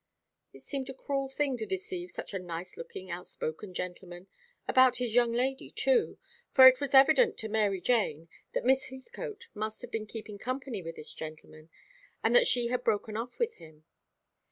It seemed a cruel thing to deceive such a nice looking, outspoken gentleman about his young lady, too for it was evident to Mary Jane that Miss Heathcote must have been keeping company with this gentleman, and that she had broken off with him.